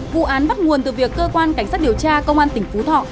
vụ án bắt nguồn từ việc cơ quan cảnh sát điều tra công an tỉnh phú thọ